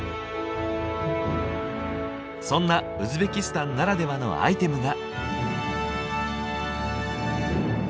そんなウズベキスタンならではのアイテムが。